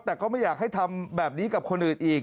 แต่ก็ไม่อยากให้ทำแบบนี้กับคนอื่นอีก